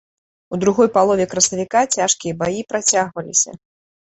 У другой палове красавіка цяжкія баі працягваліся.